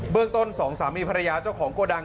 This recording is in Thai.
เรื่องต้นสองสามีภรรยาเจ้าของโกดัง